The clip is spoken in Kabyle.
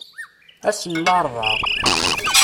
Ass n larebɛa.